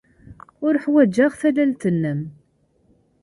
Ur ḥwajeɣ tallalt-nnem.